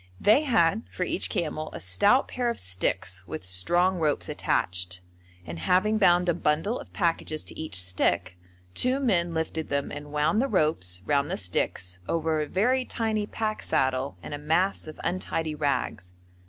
They had for each camel a stout pair of sticks with strong ropes attached, and having bound a bundle of packages to each stick, two men lifted them and wound the ropes round the sticks over a very tiny pack saddle and a mass of untidy rags.